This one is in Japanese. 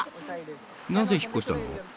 なぜ引っ越したの？